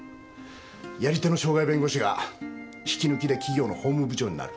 やり手の渉外弁護士が引き抜きで企業の法務部長になる。